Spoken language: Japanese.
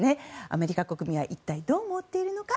アメリカ国民は一体どう思っているのか。